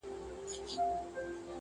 ده ویله نه طالب یم نه ویلی مي مکتب دی.